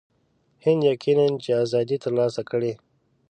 هند یقیناً چې آزادي ترلاسه کړي.